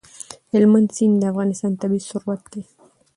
هلمند سیند د افغانستان طبعي ثروت دی.